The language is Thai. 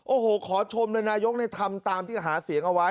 โอ้โหขอชมเลยนายกทำตามที่หาเสียงเอาไว้